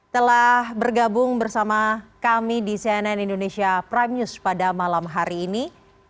telah bergabung bersama kami di cnn indonesia prime news pada malam hari ini